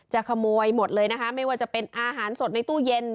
ขโมยหมดเลยนะคะไม่ว่าจะเป็นอาหารสดในตู้เย็น